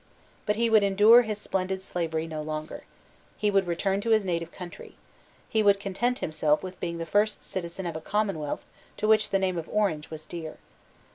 But he would endure his splendid slavery no longer. He would return to his native country. He would content himself with being the first citizen of a commonwealth to which the name of Orange was dear.